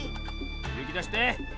ゆうきだして！